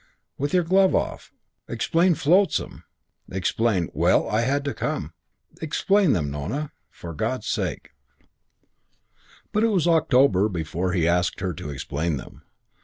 with your glove off. Explain 'Flotsam.' Explain 'Well, I had to come.' Explain them, Nona for God's sake." CHAPTER V I But it was October before he asked her to explain them.